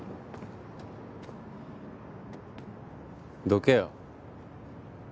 どけよ。